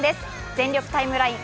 「全力タイムライン」